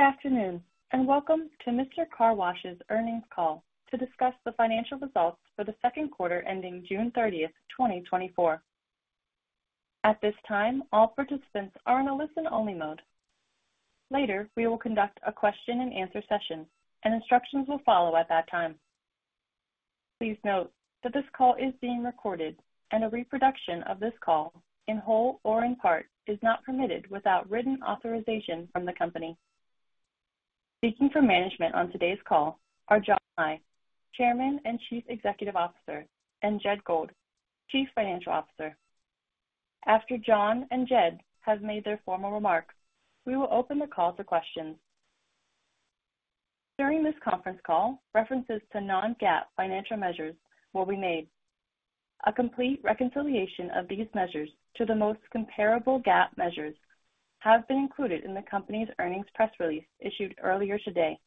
Good afternoon, and welcome to Mister Car Wash's earnings call to discuss the financial results for the Q2 ending June 30th, 2024. At this time, all participants are in a listen-only mode. Later, we will conduct a question-and-answer session, and instructions will follow at that time. Please note that this call is being recorded, and a reproduction of this call, in whole or in part, is not permitted without written authorization from the company. Speaking for management on today's call are John Lai, Chairman and Chief Executive Officer, and Jed Gold, Chief Financial Officer. After John and Jed have made their formal remarks, we will open the call to questions. During this Conference Call, references to non-GAAP financial measures will be made. A complete reconciliation of these measures to the most comparable GAAP measures has been included in the company's earnings press release issued earlier today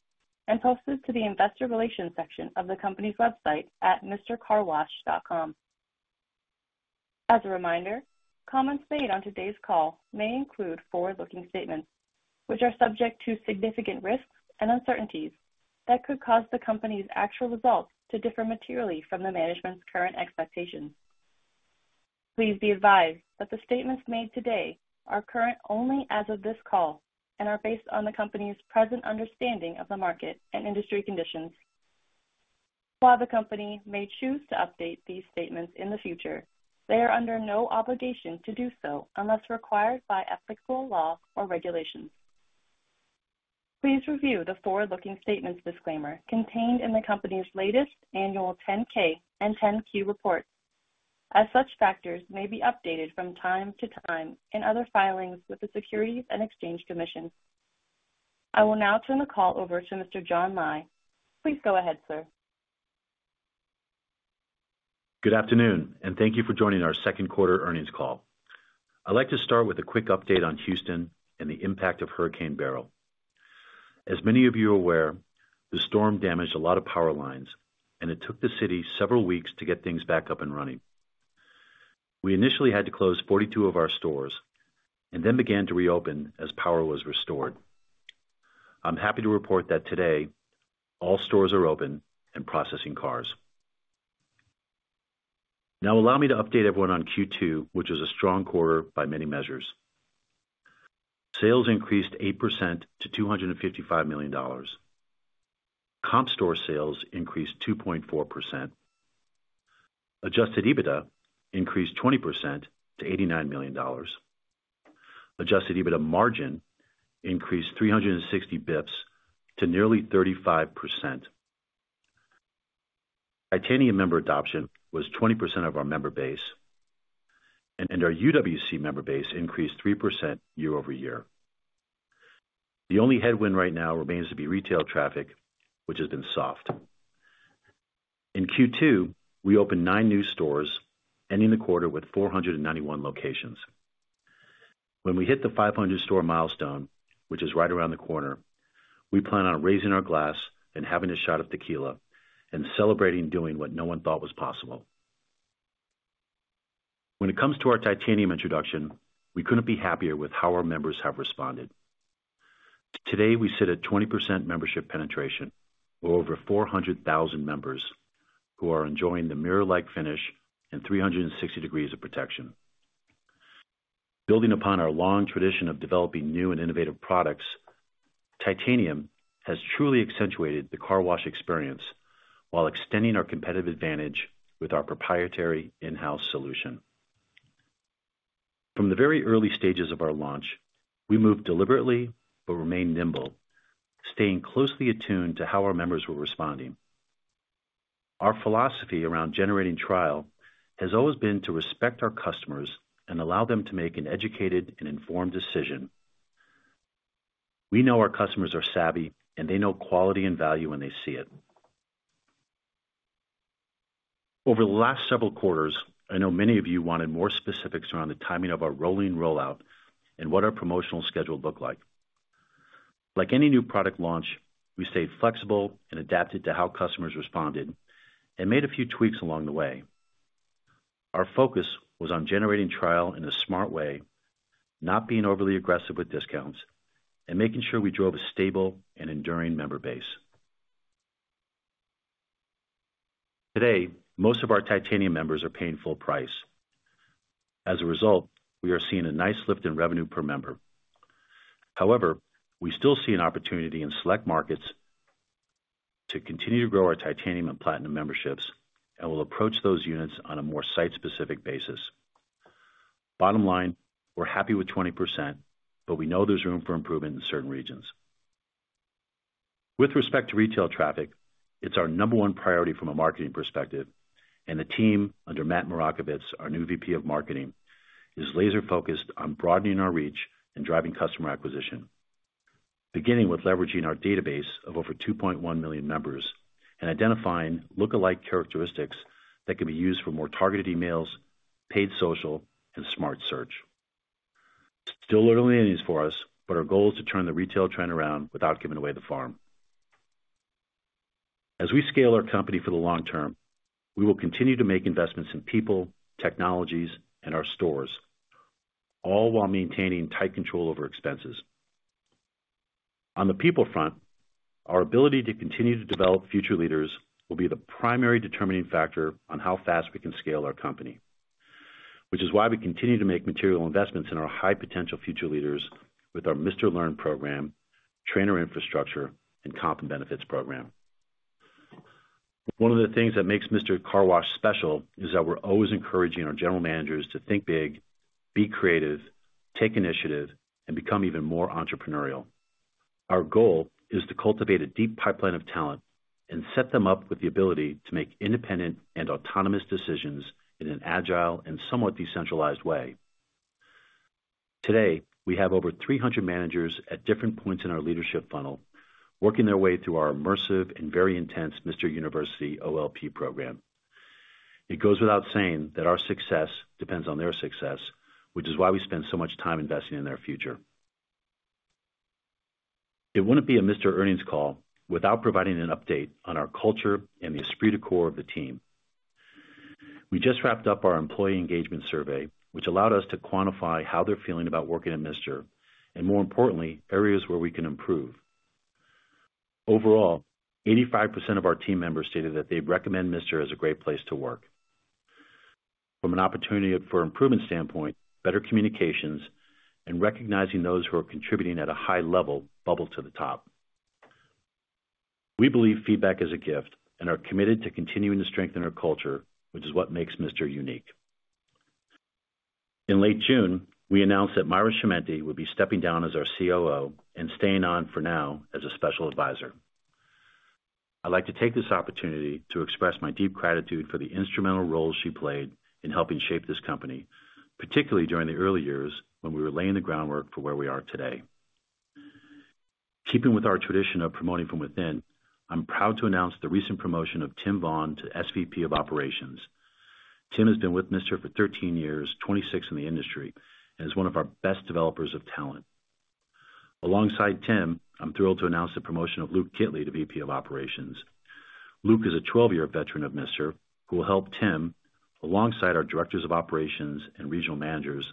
and posted to the investor relations section of the company's website at mrcarwash.com. As a reminder, comments made on today's call may include forward-looking statements, which are subject to significant risks and uncertainties that could cause the company's actual results to differ materially from the management's current expectations. Please be advised that the statements made today are current only as of this call and are based on the company's present understanding of the market and industry conditions. While the company may choose to update these statements in the future, they are under no obligation to do so unless required by applicable law or regulations. Please review the forward-looking statements disclaimer contained in the company's latest annual 10-K and 10-Q reports, as such factors may be updated from time to time in other filings with the Securities and Exchange Commission. I will now turn the call over to Mr. John Lai. Please go ahead, sir. Good afternoon, and thank you for joining our Q2 earnings call. I'd like to start with a quick update on Houston and the impact of Hurricane Beryl. As many of you are aware, the storm damaged a lot of power lines, and it took the city several weeks to get things back up and running. We initially had to close 42 of our stores and then began to reopen as power was restored. I'm happy to report that today all stores are open and processing cars. Now, allow me to update everyone on Q2, which was a strong quarter by many measures. Sales increased 8% to $255 million. Comp store sales increased 2.4%. Adjusted EBITDA increased 20% to $89 million. Adjusted EBITDA margin increased 360 basis points to nearly 35%. Titanium member adoption was 20% of our member base, and our UWC member base increased 3% year-over-year. The only headwind right now remains to be retail traffic, which has been soft. In Q2, we opened 9 new stores, ending the quarter with 491 locations. When we hit the 500-store milestone, which is right around the corner, we plan on raising our glass and having a shot of tequila and celebrating doing what no one thought was possible. When it comes to our Titanium introduction, we couldn't be happier with how our members have responded. Today, we sit at 20% membership penetration, over 400,000 members who are enjoying the mirror-like finish and 360 degrees of protection. Building upon our long tradition of developing new and innovative products, titanium has truly accentuated the car wash experience while extending our competitive advantage with our proprietary in-house solution. From the very early stages of our launch, we moved deliberately but remained nimble, staying closely attuned to how our members were responding. Our philosophy around generating trial has always been to respect our customers and allow them to make an educated and informed decision. We know our customers are savvy, and they know quality and value when they see it. Over the last several quarters, I know many of you wanted more specifics around the timing of our rolling rollout and what our promotional schedule looked like. Like any new product launch, we stayed flexible and adapted to how customers responded and made a few tweaks along the way. Our focus was on generating trial in a smart way, not being overly aggressive with discounts, and making sure we drove a stable and enduring member base. Today, most of our Titanium members are paying full price. As a result, we are seeing a nice lift in revenue per member. However, we still see an opportunity in select markets to continue to grow our Titanium and Platinum memberships, and we'll approach those units on a more site-specific basis. Bottom line, we're happy with 20%, but we know there's room for improvement in certain regions. With respect to retail traffic, it's our number one priority from a marketing perspective, and the team under Matt Marakovich, our new VP of Marketing, is laser-focused on broadening our reach and driving customer acquisition, beginning with leveraging our database of over 2.1 million members and identifying lookalike characteristics that can be used for more targeted emails, paid social, and smart search. Still early in these for us, but our goal is to turn the retail trend around without giving away the farm. As we scale our company for the long term, we will continue to make investments in people, technologies, and our stores, all while maintaining tight control over expenses. On the people front, our ability to continue to develop future leaders will be the primary determining factor on how fast we can scale our company, which is why we continue to make material investments in our high-potential future leaders with our Mister Learn program, Trainer Infrastructure, and Comp and Benefits program. One of the things that makes Mister Car Wash special is that we're always encouraging our general managers to think big, be creative, take initiative, and become even more entrepreneurial. Our goal is to cultivate a deep pipeline of talent and set them up with the ability to make independent and autonomous decisions in an agile and somewhat decentralized way. Today, we have over 300 managers at different points in our leadership funnel working their way through our immersive and very intense Mister University OLP program. It goes without saying that our success depends on their success, which is why we spend so much time investing in their future. It wouldn't be a Mister Earnings call without providing an update on our culture and the esprit de corps of the team. We just wrapped up our employee engagement survey, which allowed us to quantify how they're feeling about working at Mister and, more importantly, areas where we can improve. Overall, 85% of our team members stated that they'd recommend Mister as a great place to work. From an opportunity for improvement standpoint, better communications and recognizing those who are contributing at a high level bubble to the top. We believe feedback is a gift and are committed to continuing to strengthen our culture, which is what makes Mister unique. In late June, we announced that Mayra Chimienti would be stepping down as our COO and staying on for now as a special advisor. I'd like to take this opportunity to express my deep gratitude for the instrumental role she played in helping shape this company, particularly during the early years when we were laying the groundwork for where we are today. Keeping with our tradition of promoting from within, I'm proud to announce the recent promotion of Tim Vaughan to SVP of Operations. Tim has been with Mister for 13 years, 26 in the industry, and is one of our best developers of talent. Alongside Tim, I'm thrilled to announce the promotion of Luke Kittley to VP of Operations. Luke is a 12-year veteran of Mister. Who will help Tim, alongside our directors of operations and regional managers,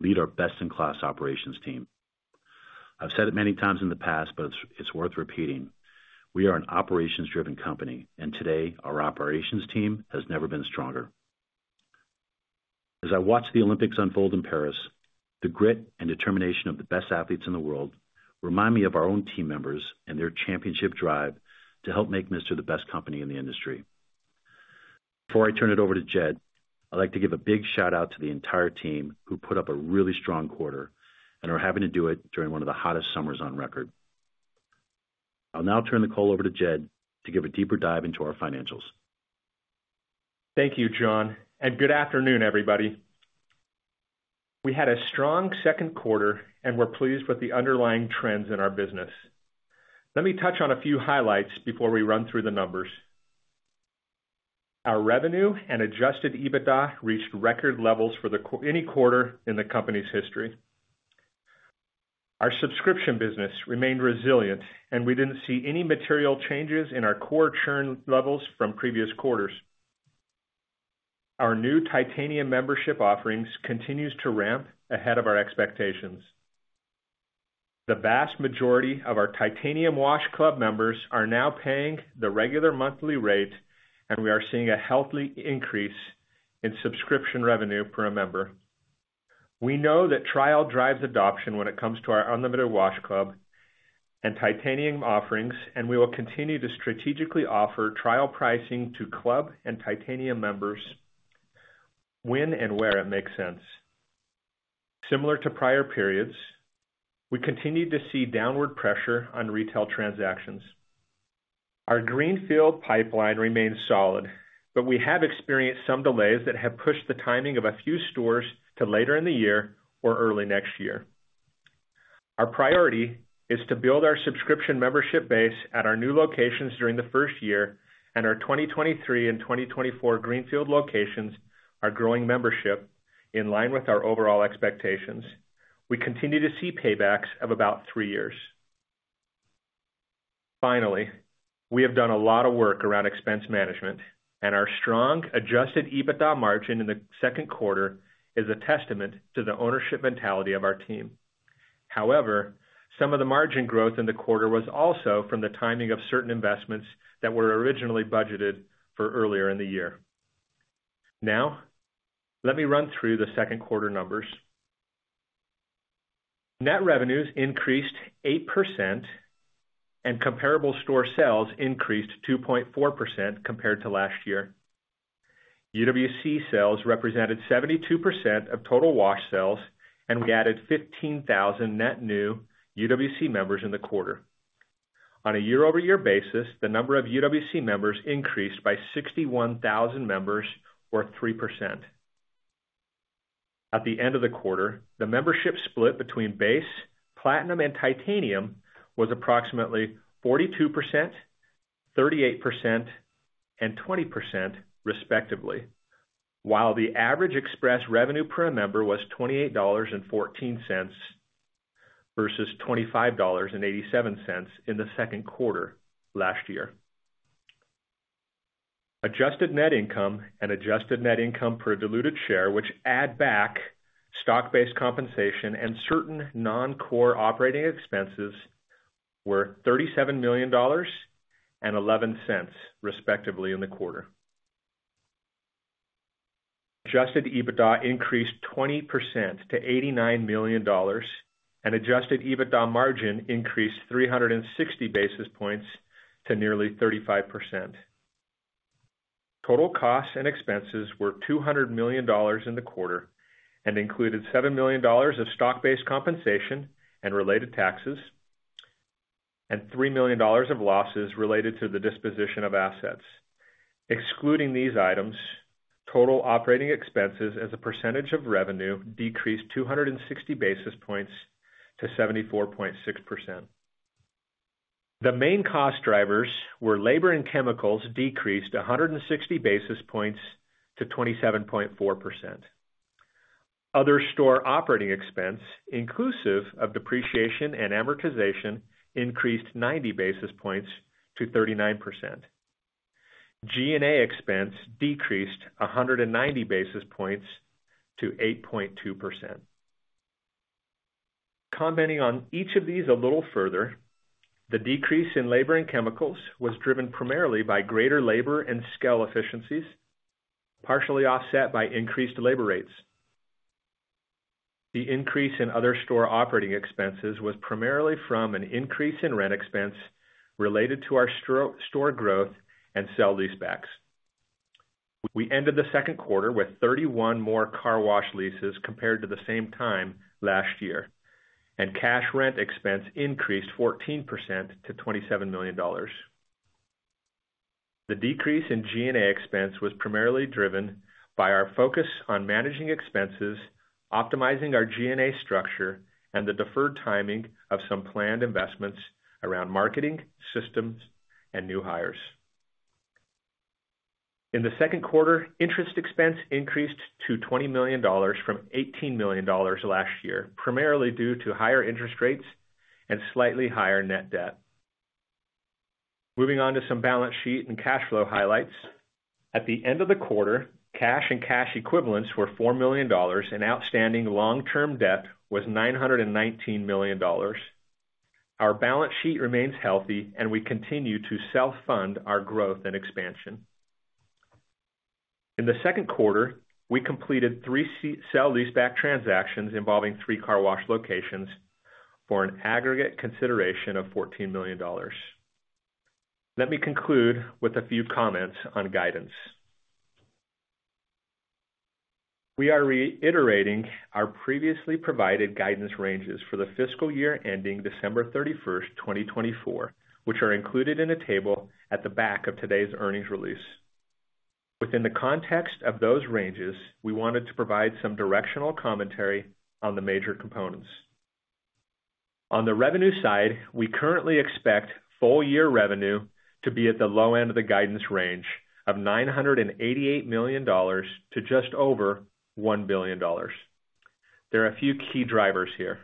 lead our best-in-class operations team. I've said it many times in the past, but it's worth repeating: we are an operations-driven company, and today, our operations team has never been stronger. As I watch the Olympics unfold in Paris, the grit and determination of the best athletes in the world remind me of our own team members and their championship drive to help make Mister the best company in the industry. Before I turn it over to Jed, I'd like to give a big shout-out to the entire team who put up a really strong quarter and are having to do it during one of the hottest summers on record. I'll now turn the call over to Jed to give a deeper dive into our financials. Thank you, John, and good afternoon, everybody. We had a strong Q2, and we're pleased with the underlying trends in our business. Let me touch on a few highlights before we run through the numbers. Our revenue and adjusted EBITDA reached record levels for any quarter in the company's history. Our subscription business remained resilient, and we didn't see any material changes in our core churn levels from previous quarters. Our new Titanium membership offerings continue to ramp ahead of our expectations. The vast majority of our Titanium Wash Club members are now paying the regular monthly rate, and we are seeing a healthy increase in subscription revenue per member. We know that trial drives adoption when it comes to our Unlimited Wash Club and Titanium offerings, and we will continue to strategically offer trial pricing to club and Titanium members when and where it makes sense. Similar to prior periods, we continue to see downward pressure on retail transactions. Our greenfield pipeline remains solid, but we have experienced some delays that have pushed the timing of a few stores to later in the year or early next year. Our priority is to build our subscription membership base at our new locations during the first year, and our 2023 and 2024 greenfield locations are growing membership in line with our overall expectations. We continue to see paybacks of about three years. Finally, we have done a lot of work around expense management, and our strong Adjusted EBITDA margin in the Q2 is a testament to the ownership mentality of our team. However, some of the margin growth in the quarter was also from the timing of certain investments that were originally budgeted for earlier in the year. Now, let me run through the Q2 numbers. Net revenues increased 8%, and comparable store sales increased 2.4% compared to last year. UWC sales represented 72% of total wash sales, and we added 15,000 net new UWC members in the quarter. On a year-over-year basis, the number of UWC members increased by 61,000 members or 3%. At the end of the quarter, the membership split between Base, Platinum, and Titanium was approximately 42%, 38%, and 20%, respectively, while the average express revenue per member was $28.14 versus $25.87 in the Q2 last year. Adjusted net income and adjusted net income per diluted share, which add back stock-based compensation and certain non-core operating expenses, were $37 million and $0.11, respectively, in the quarter. Adjusted EBITDA increased 20% to $89 million, and adjusted EBITDA margin increased 360 basis points to nearly 35%. Total costs and expenses were $200 million in the quarter and included $7 million of stock-based compensation and related taxes and $3 million of losses related to the disposition of assets. Excluding these items, total operating expenses as a percentage of revenue decreased 260 basis points to 74.6%. The main cost drivers were labor and chemicals, decreased 160 basis points to 27.4%. Other store operating expense, inclusive of depreciation and amortization, increased 90 basis points to 39%. G&A expense decreased 190 basis points to 8.2%. Commenting on each of these a little further, the decrease in labor and chemicals was driven primarily by greater labor and skill efficiencies, partially offset by increased labor rates. The increase in other store operating expenses was primarily from an increase in rent expense related to our store growth and sale-leasebacks. We ended the Q2 with 31 more car wash leases compared to the same time last year, and cash rent expense increased 14% to $27 million. The decrease in G&A expense was primarily driven by our focus on managing expenses, optimizing our G&A structure, and the deferred timing of some planned investments around marketing systems and new hires. In the Q2, interest expense increased to $20 million from $18 million last year, primarily due to higher interest rates and slightly higher net debt. Moving on to some balance sheet and cash flow highlights. At the end of the quarter, cash and cash equivalents were $4 million, and outstanding long-term debt was $919 million. Our balance sheet remains healthy, and we continue to self-fund our growth and expansion. In the Q2, we completed three sale-leaseback transactions involving three car wash locations for an aggregate consideration of $14 million. Let me conclude with a few comments on guidance. We are reiterating our previously provided guidance ranges for the fiscal year ending December 31st, 2024, which are included in a table at the back of today's earnings release. Within the context of those ranges, we wanted to provide some directional commentary on the major components. On the revenue side, we currently expect full-year revenue to be at the low end of the guidance range of $988 million to just over $1 billion. There are a few key drivers here.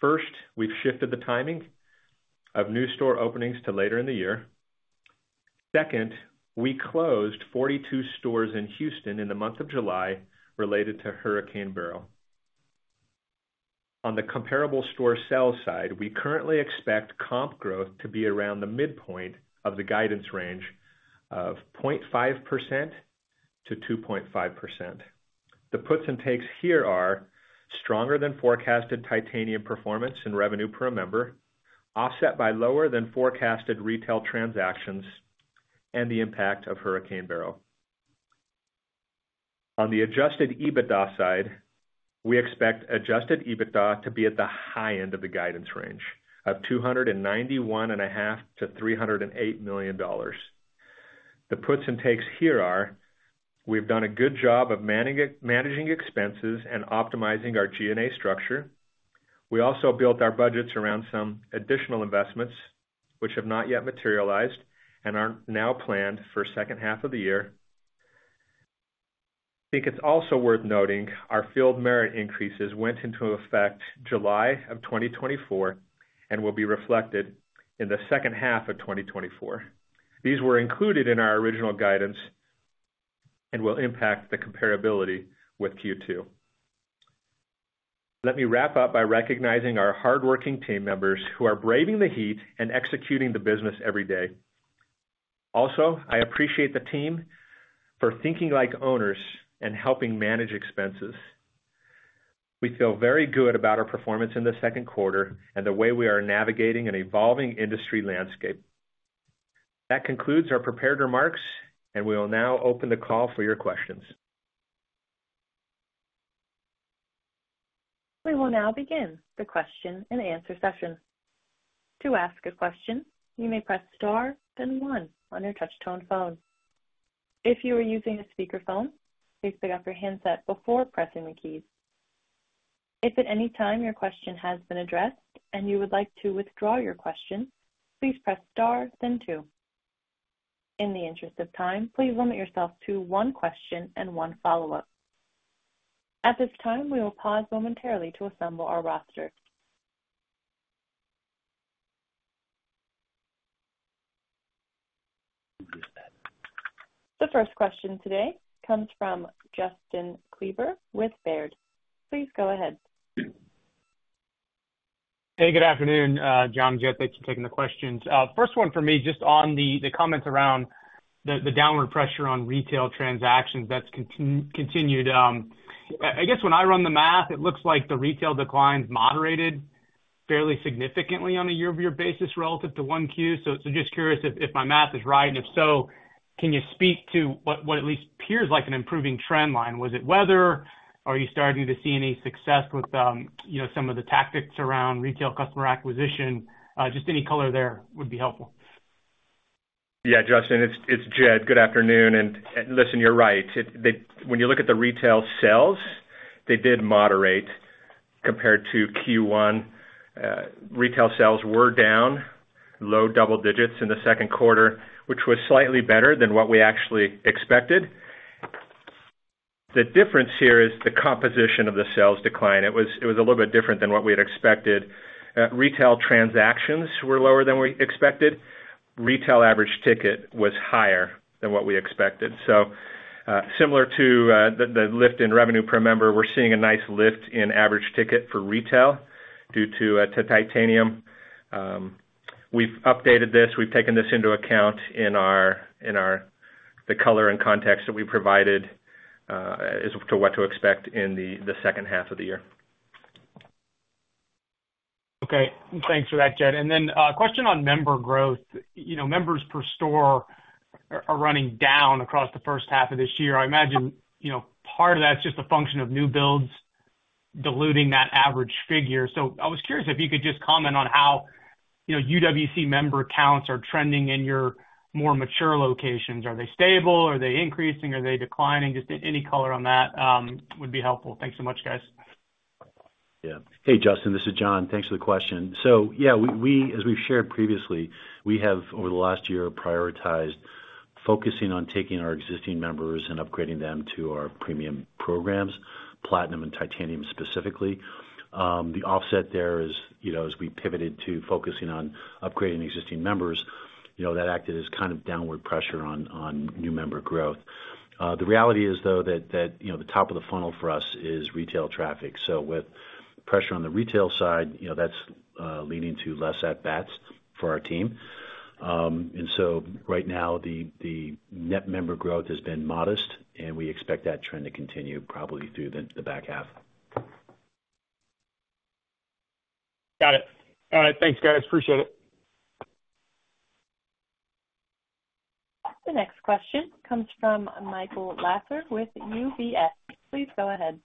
First, we've shifted the timing of new store openings to later in the year. Second, we closed 42 stores in Houston in the month of July related to Hurricane Beryl. On the comparable store sales side, we currently expect comp growth to be around the midpoint of the guidance range of 0.5%-2.5%. The puts and takes here are stronger than forecasted Titanium performance and revenue per a member, offset by lower than forecasted retail transactions and the impact of Hurricane Beryl. On the Adjusted EBITDA side, we expect Adjusted EBITDA to be at the high end of the guidance range of $291.5-$308 million. The puts and takes here are, we've done a good job of managing expenses and optimizing our G&A structure. We also built our budgets around some additional investments, which have not yet materialized and are now planned for the second half of the year. I think it's also worth noting our field merit increases went into effect July of 2024 and will be reflected in the second half of 2024. These were included in our original guidance and will impact the comparability with Q2. Let me wrap up by recognizing our hardworking team members who are braving the heat and executing the business every day. Also, I appreciate the team for thinking like owners and helping manage expenses. We feel very good about our performance in the Q2 and the way we are navigating an evolving industry landscape. That concludes our prepared remarks, and we will now open the call for your questions. We will now begin the question and answer session. To ask a question, you may press star then one on your touch-tone phone. If you are using a speakerphone, please pick up your handset before pressing the keys. If at any time your question has been addressed and you would like to withdraw your question, please press star then two. In the interest of time, please limit yourself to one question and one follow-up. At this time, we will pause momentarily to assemble our roster. The first question today comes from Justin Kleber with Baird. Please go ahead. Hey, good afternoon, John and Jed. Thanks for taking the questions. First one for me, just on the comments around the downward pressure on retail transactions that's continued. I guess when I run the math, it looks like the retail decline's moderated fairly significantly on a year-over-year basis relative to 1Q. So just curious if my math is right, and if so, can you speak to what at least appears like an improving trend line? Was it weather? Are you starting to see any success with some of the tactics around retail customer acquisition? Just any color there would be helpful. Yeah, Justin, it's Jed. Good afternoon. And listen, you're right. When you look at the retail sales, they did moderate compared to Q1. Retail sales were down, low double digits in the Q2, which was slightly better than what we actually expected. The difference here is the composition of the sales decline. It was a little bit different than what we had expected. Retail transactions were lower than we expected. Retail average ticket was higher than what we expected. So similar to the lift in revenue per member, we're seeing a nice lift in average ticket for retail due to Titanium. We've updated this. We've taken this into account in the color and context that we provided as to what to expect in the second half of the year. Okay. Thanks for that, Jed. And then a question on member growth. Members per store are running down across the first half of this year. I imagine part of that's just a function of new builds diluting that average figure. So I was curious if you could just comment on how UWC member counts are trending in your more mature locations. Are they stable? Are they increasing? Are they declining? Just any color on that would be helpful. Thanks so much, guys. Yeah. Hey, Justin, this is John. Thanks for the question. So yeah, as we've shared previously, we have, over the last year, prioritized focusing on taking our existing members and upgrading them to our premium programs, Platinum and Titanium specifically. The offset there is, as we pivoted to focusing on upgrading existing members, that acted as kind of downward pressure on new member growth. The reality is, though, that the top of the funnel for us is retail traffic. So with pressure on the retail side, that's leading to less at-bats for our team. And so right now, the net member growth has been modest, and we expect that trend to continue probably through the back half. Got it. All right. Thanks, guys. Appreciate it. The next question comes from Michael Lasser with UBS. Please go ahead.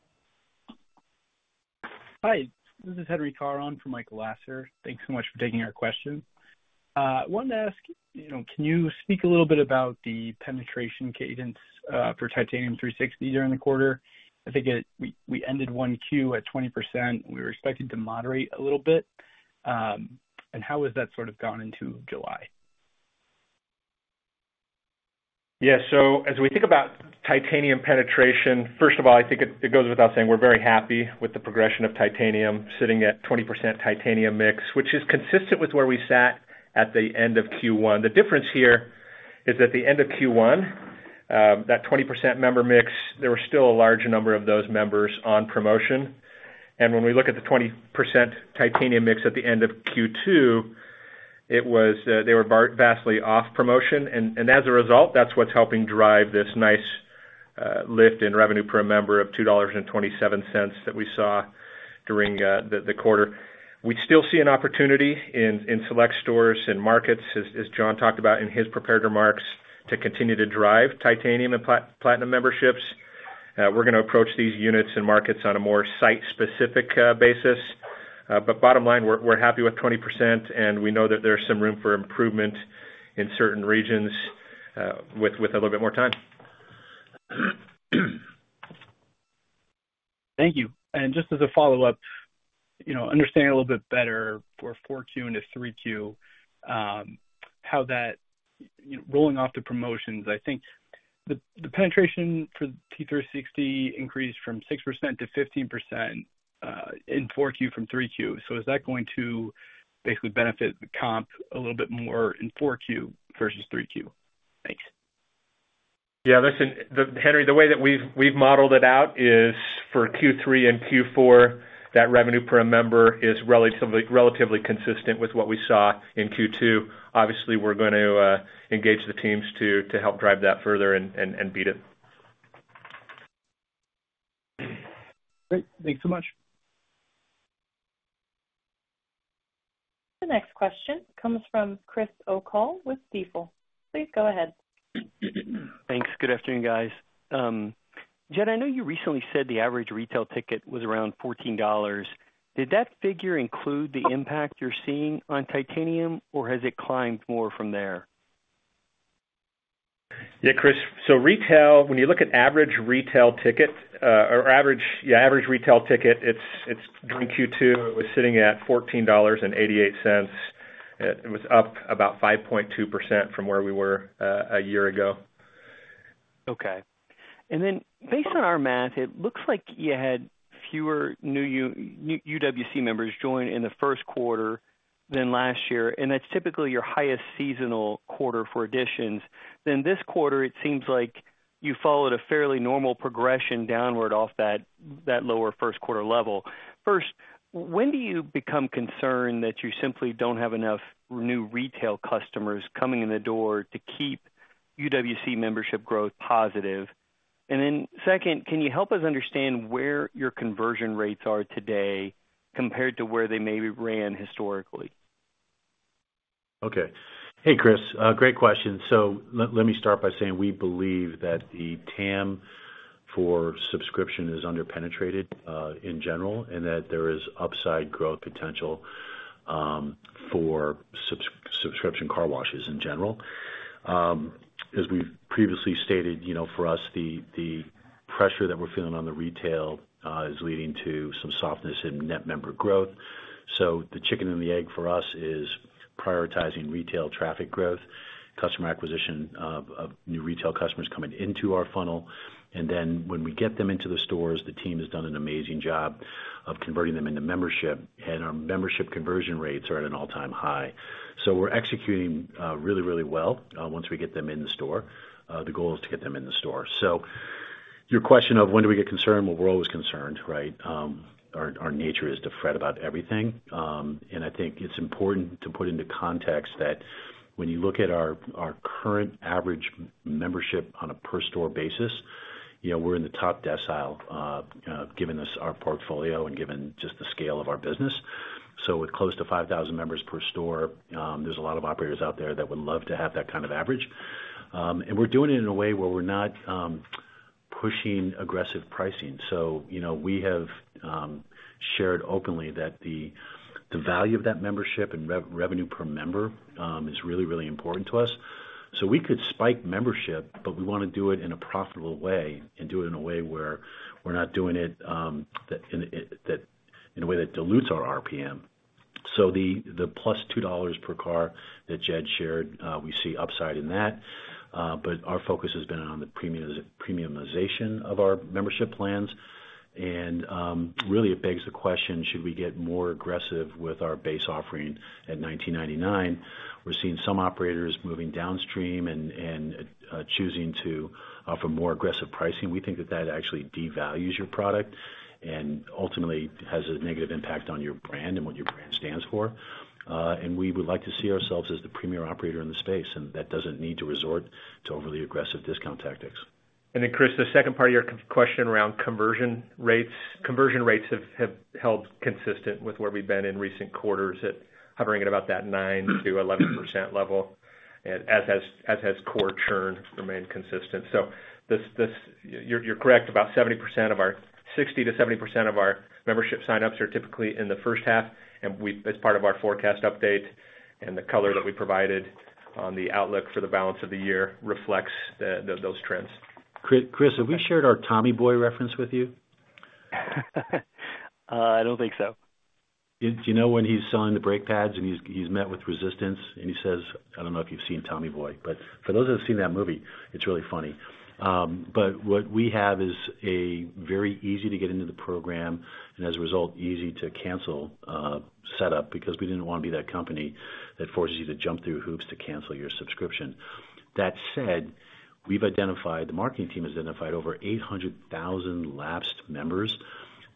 Hi. This is Henry Carron from Michael Lasser. Thanks so much for taking our question. I wanted to ask, can you speak a little bit about the penetration cadence for Titanium 360 during the quarter? I think we ended one Q at 20%. We were expected to moderate a little bit. How has that sort of gone into July? Yeah. So as we think about titanium penetration, first of all, I think it goes without saying we're very happy with the progression of titanium sitting at 20% titanium mix, which is consistent with where we sat at the end of Q1. The difference here is at the end of Q1, that 20% member mix, there were still a large number of those members on promotion. And when we look at the 20% titanium mix at the end of Q2, they were vastly off promotion. And as a result, that's what's helping drive this nice lift in revenue per a member of $2.27 that we saw during the quarter. We still see an opportunity in select stores and markets, as John talked about in his prepared remarks, to continue to drive titanium and platinum memberships. We're going to approach these units and markets on a more site-specific basis. Bottom line, we're happy with 20%, and we know that there's some room for improvement in certain regions with a little bit more time. Thank you. And just as a follow-up, understanding a little bit better for 4Q into 3Q, how that rolling off the promotions, I think the penetration for T360 increased from 6%-15% in 4Q from 3Q. So is that going to basically benefit the comp a little bit more in 4Q versus 3Q? Thanks. Yeah. Listen, Henry, the way that we've modeled it out is for Q3 and Q4, that revenue per a member is relatively consistent with what we saw in Q2. Obviously, we're going to engage the teams to help drive that further and beat it. Great. Thanks so much. The next question comes from Chris O'Cull with Stifel. Please go ahead. Thanks. Good afternoon, guys. Jed, I know you recently said the average retail ticket was around $14. Did that figure include the impact you're seeing on Titanium, or has it climbed more from there? Yeah, Chris. So retail, when you look at average retail ticket or average retail ticket, during Q2, it was sitting at $14.88. It was up about 5.2% from where we were a year ago. Okay. And then based on our math, it looks like you had fewer new UWC members join in the Q1 than last year, and that's typically your highest seasonal quarter for additions. Then this quarter, it seems like you followed a fairly normal progression downward off that lower Q1 level. First, when do you become concerned that you simply don't have enough new retail customers coming in the door to keep UWC membership growth positive? And then second, can you help us understand where your conversion rates are today compared to where they maybe ran historically? Okay. Hey, Chris. Great question. So let me start by saying we believe that the TAM for subscription is underpenetrated in general and that there is upside growth potential for subscription car washes in general. As we've previously stated, for us, the pressure that we're feeling on the retail is leading to some softness in net member growth. So the chicken and the egg for us is prioritizing retail traffic growth, customer acquisition of new retail customers coming into our funnel. And then when we get them into the stores, the team has done an amazing job of converting them into membership, and our membership conversion rates are at an all-time high. So we're executing really, really well once we get them in the store. The goal is to get them in the store. So your question of when do we get concerned? Well, we're always concerned, right? Our nature is to fret about everything. And I think it's important to put into context that when you look at our current average membership on a per-store basis, we're in the top decile given our portfolio and given just the scale of our business. So with close to 5,000 members per store, there's a lot of operators out there that would love to have that kind of average. And we're doing it in a way where we're not pushing aggressive pricing. So we have shared openly that the value of that membership and revenue per member is really, really important to us. So we could spike membership, but we want to do it in a profitable way and do it in a way where we're not doing it in a way that dilutes our RPM. So the plus $2 per car that Jed shared, we see upside in that. Our focus has been on the premiumization of our membership plans. Really, it begs the question, should we get more aggressive with our base offering at $19.99? We're seeing some operators moving downstream and choosing to offer more aggressive pricing. We think that that actually devalues your product and ultimately has a negative impact on your brand and what your brand stands for. We would like to see ourselves as the premier operator in the space, and that doesn't need to resort to overly aggressive discount tactics. And then, Chris, the second part of your question around conversion rates, conversion rates have held consistent with where we've been in recent quarters at hovering at about that 9%-11% level, as has core churn remained consistent. So you're correct. About 60%-70% of our membership signups are typically in the first half. And as part of our forecast update, and the color that we provided on the outlook for the balance of the year reflects those trends. Chris, have we shared our Tommy Boy reference with you? I don't think so. Do you know when he's selling the brake pads and he's met with resistance? And he says, "I don't know if you've seen Tommy Boy." But for those who have seen that movie, it's really funny. But what we have is a very easy to get into the program and, as a result, easy to cancel setup because we didn't want to be that company that forces you to jump through hoops to cancel your subscription. That said, we've identified; the marketing team has identified over 800,000 lapsed members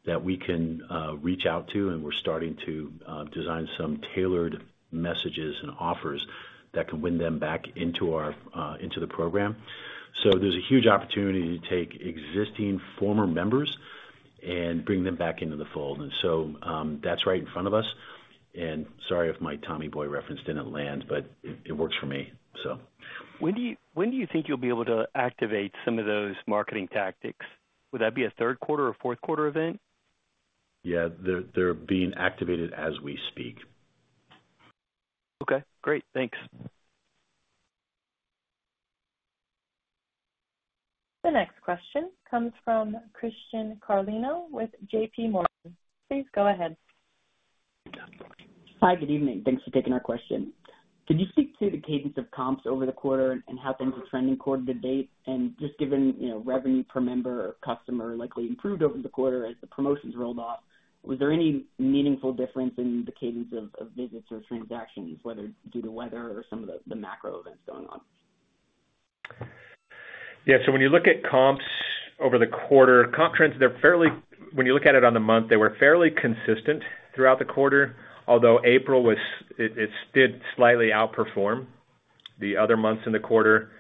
that we can reach out to, and we're starting to design some tailored messages and offers that can win them back into the program. So there's a huge opportunity to take existing former members and bring them back into the fold. And so that's right in front of us. And sorry if my Tommy Boy reference didn't land, but it works for me, so. When do you think you'll be able to activate some of those marketing tactics? Would that be a Q3 or Q4 event? Yeah. They're being activated as we speak. Okay. Great. Thanks. The next question comes from Christian Carlino with J.P. Morgan. Please go ahead. Hi, good evening. Thanks for taking our question. Could you speak to the cadence of comps over the quarter and how things are trending quarter to date? And just given revenue per member or customer likely improved over the quarter as the promotions rolled off, was there any meaningful difference in the cadence of visits or transactions, whether due to weather or some of the macro events going on? Yeah. So when you look at comps over the quarter, comp trends, when you look at it on the month, they were fairly consistent throughout the quarter, although April did slightly outperform the other months in the quarter.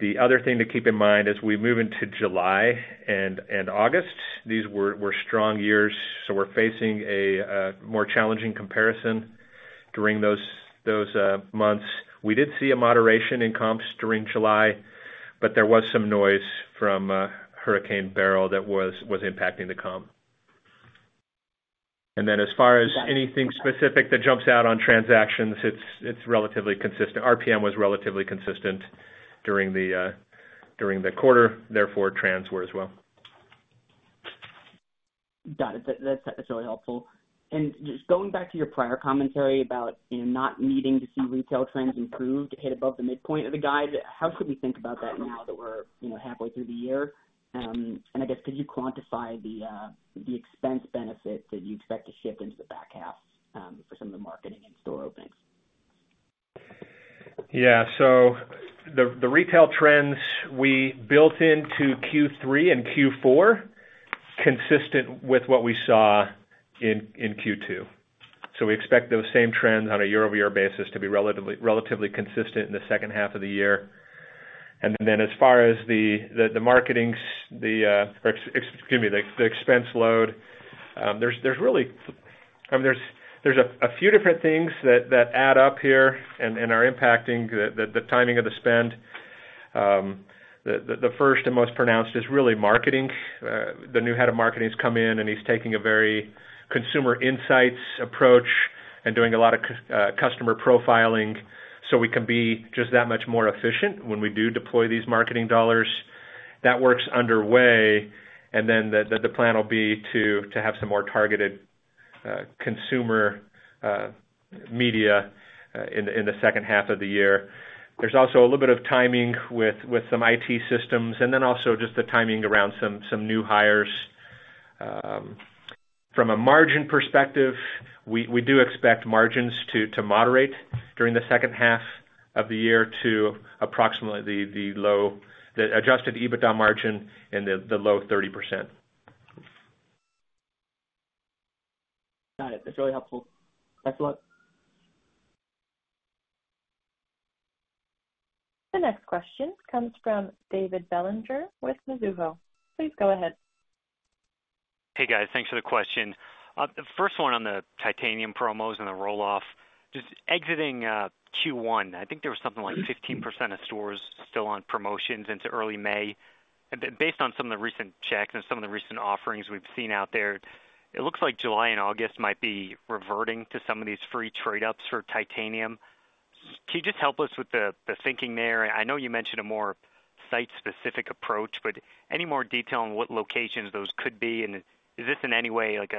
The other thing to keep in mind as we move into July and August, these were strong years. So we're facing a more challenging comparison during those months. We did see a moderation in comps during July, but there was some noise from Hurricane Beryl that was impacting the comp. And then as far as anything specific that jumps out on transactions, it's relatively consistent. RPM was relatively consistent during the quarter. Therefore, trends were as well. Got it. That's really helpful. And just going back to your prior commentary about not needing to see retail trends improve to hit above the midpoint of the guide, how should we think about that now that we're halfway through the year? And I guess, could you quantify the expense benefit that you expect to shift into the back half for some of the marketing and store openings? Yeah. So the retail trends we built into Q3 and Q4 are consistent with what we saw in Q2. So we expect those same trends on a year-over-year basis to be relatively consistent in the second half of the year. And then as far as the marketing or, excuse me, the expense load, there's really—I mean, there's a few different things that add up here and are impacting the timing of the spend. The first and most pronounced is really marketing. The new head of marketing has come in, and he's taking a very consumer insights approach and doing a lot of customer profiling so we can be just that much more efficient when we do deploy these marketing dollars. That work's underway. And then the plan will be to have some more targeted consumer media in the second half of the year. There's also a little bit of timing with some IT systems and then also just the timing around some new hires. From a margin perspective, we do expect margins to moderate during the second half of the year to approximately the Adjusted EBITDA margin in the low 30%. Got it. That's really helpful. Excellent. The next question comes from David Bellinger with Mizuho. Please go ahead. Hey, guys. Thanks for the question. The first one on the Titanium promos and the rolloff, just exiting Q1, I think there was something like 15% of stores still on promotions into early May. Based on some of the recent checks and some of the recent offerings we've seen out there, it looks like July and August might be reverting to some of these free trade-ups for Titanium. Can you just help us with the thinking there? I know you mentioned a more site-specific approach, but any more detail on what locations those could be? And is this in any way a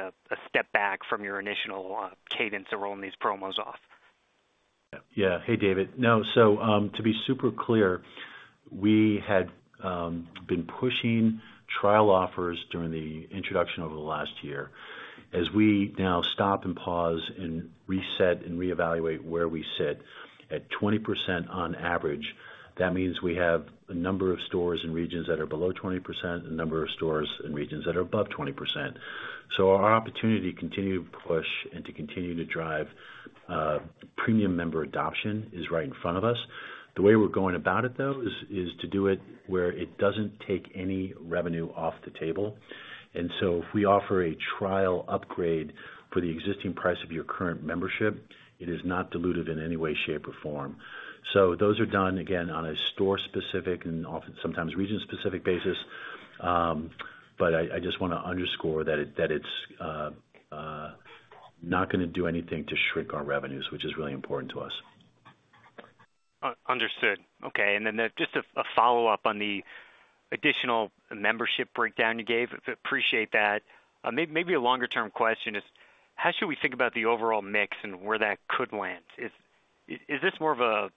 step back from your initial cadence of rolling these promos off? Yeah. Hey, David. No. So to be super clear, we had been pushing trial offers during the introduction over the last year. As we now stop and pause and reset and reevaluate where we sit at 20% on average, that means we have a number of stores and regions that are below 20%, a number of stores and regions that are above 20%. So our opportunity to continue to push and to continue to drive premium member adoption is right in front of us. The way we're going about it, though, is to do it where it doesn't take any revenue off the table. And so if we offer a trial upgrade for the existing price of your current membership, it is not diluted in any way, shape, or form. So those are done, again, on a store-specific and often sometimes region-specific basis. But I just want to underscore that it's not going to do anything to shrink our revenues, which is really important to us. Understood. Okay. And then just a follow-up on the additional membership breakdown you gave. Appreciate that. Maybe a longer-term question is, how should we think about the overall mix and where that could land? Is this more of a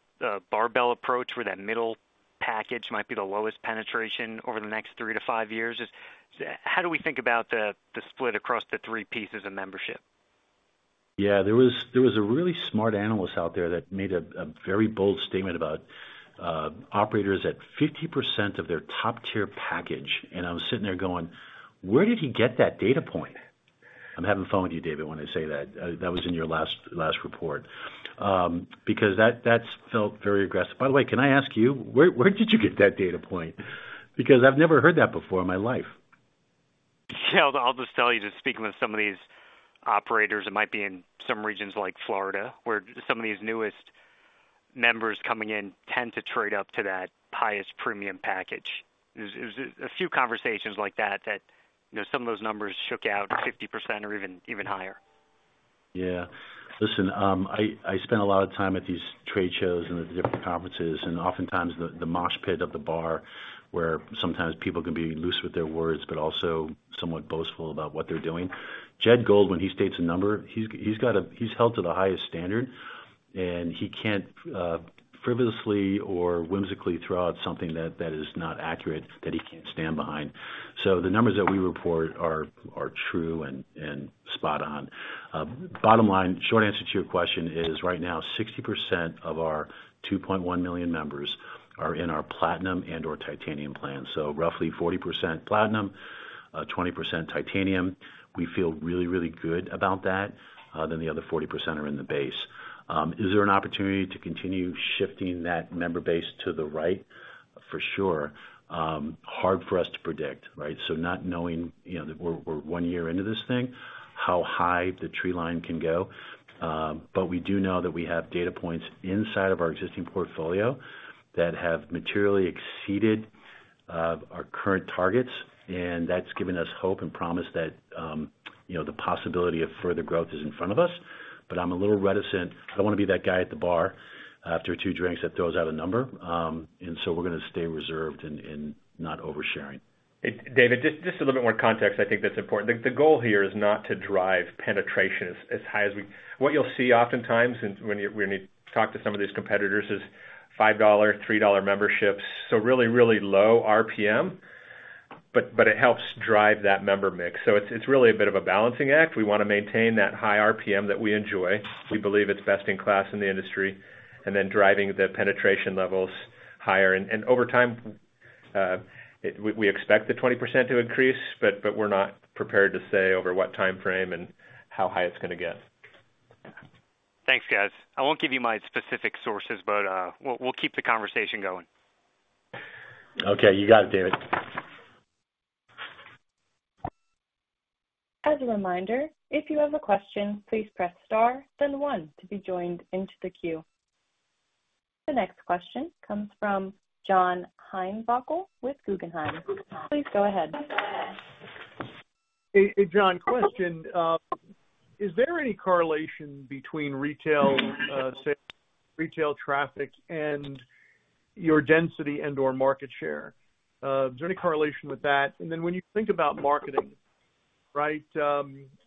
barbell approach where that middle package might be the lowest penetration over the next 3-5 years? How do we think about the split across the three pieces of membership? Yeah. There was a really smart analyst out there that made a very bold statement about operators at 50% of their top-tier package. And I was sitting there going, "Where did he get that data point?" I'm having fun with you, David, when I say that. That was in your last report because that felt very aggressive. By the way, can I ask you, where did you get that data point? Because I've never heard that before in my life. Yeah. I'll just tell you, just speaking with some of these operators, it might be in some regions like Florida where some of these newest members coming in tend to trade up to that highest premium package. There's a few conversations like that that some of those numbers shook out 50% or even higher. Yeah. Listen, I spent a lot of time at these trade shows and at different conferences. Oftentimes, the mosh pit of the bar where sometimes people can be loose with their words but also somewhat boastful about what they're doing. Jed Gold, when he states a number, he's held to the highest standard, and he can't frivolously or whimsically throw out something that is not accurate that he can't stand behind. So the numbers that we report are true and spot on. Bottom line, short answer to your question is, right now, 60% of our 2.1 million members are in our Platinum and/or Titanium plan. So roughly 40% Platinum, 20% Titanium. We feel really, really good about that. The other 40% are in the Base. Is there an opportunity to continue shifting that member base to the right? For sure. Hard for us to predict, right? So, not knowing that we're one year into this thing, how high the tree line can go. We do know that we have data points inside of our existing portfolio that have materially exceeded our current targets. That's given us hope and promise that the possibility of further growth is in front of us. I'm a little reticent. I don't want to be that guy at the bar after two drinks that throws out a number. So we're going to stay reserved and not oversharing. David, just a little bit more context I think that's important. The goal here is not to drive penetration as high as, what you'll see oftentimes when you talk to some of these competitors is $5, $3 memberships. So really, really low RPM, but it helps drive that member mix. So it's really a bit of a balancing act. We want to maintain that high RPM that we enjoy. We believe it's best in class in the industry. And then driving the penetration levels higher. And over time, we expect the 20% to increase, but we're not prepared to say over what timeframe and how high it's going to get. Thanks, guys. I won't give you my specific sources, but we'll keep the conversation going. Okay. You got it, David. As a reminder, if you have a question, please press star, then one to be joined into the queue. The next question comes from John Heinbockel with Guggenheim. Please go ahead. Hey, John, question. Is there any correlation between retail traffic and your density and/or market share? Is there any correlation with that? And then when you think about marketing, right,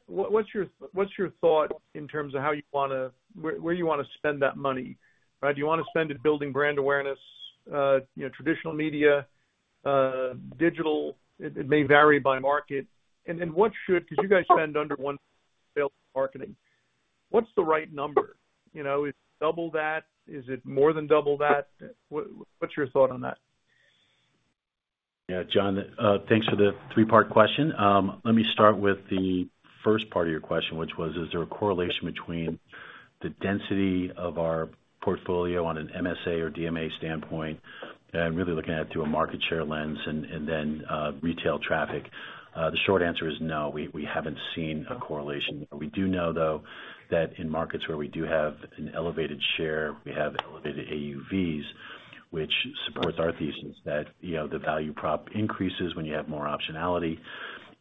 what's your thought in terms of how you want to where you want to spend that money? Do you want to spend it building brand awareness, traditional media, digital? It may vary by market. And then what should because you guys spend under 1 sale marketing. What's the right number? Is it double that? Is it more than double that? What's your thought on that? Yeah. John, thanks for the three-part question. Let me start with the first part of your question, which was, is there a correlation between the density of our portfolio on an MSA or DMA standpoint? And I'm really looking at it through a market share lens and then retail traffic. The short answer is no. We haven't seen a correlation. We do know, though, that in markets where we do have an elevated share, we have elevated AUVs, which supports our thesis that the value prop increases when you have more optionality.